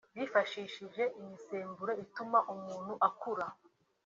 bifashishije imisemburo ituma umuntu akura